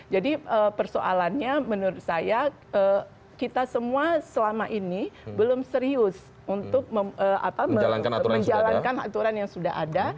jadi persoalannya menurut saya kita semua selama ini belum serius untuk menjalankan aturan yang sudah ada